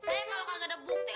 saya malah ga ada bukti